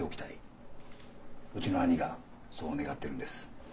うちの兄がそう願っているんです。